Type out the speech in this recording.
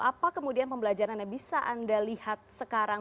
apa kemudian pembelajaran yang bisa anda lihat sekarang